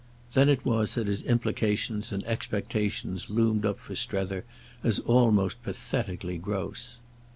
Then it was that his implications and expectations loomed up for Strether as almost pathetically gross.